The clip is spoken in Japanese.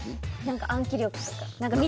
なんか暗記力とか。